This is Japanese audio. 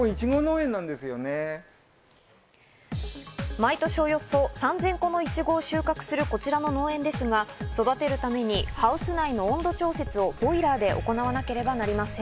毎年およそ３０００個のイチゴを収穫するこちらの農園ですが、育てるためにハウス内の温度調節をボイラーで行わなければなりません。